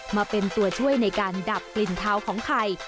มาเป็นตัวช่วยในการดับกลิ่นเท้าของไข่